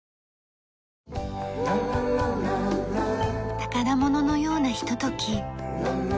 宝物のようなひととき。